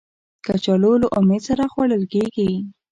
کچالو له امید سره خوړل کېږي